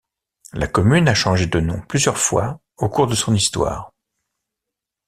La commune a changé de nom plusieurs fois au cours de son histoire.